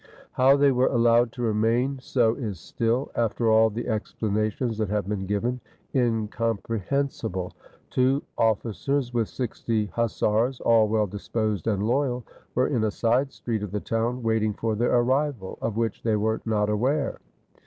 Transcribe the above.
How they were allowed to remain so is still, after all the explanations that have been given, incomprehen sible. Two officers with sixty hussars, all well disposed and loyal, were in a side street of the town waiting for their arrival, of which they were not aware.